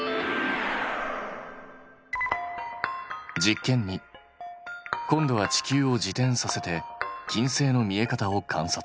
実験２。今度は地球を自転させて金星の見え方を観察。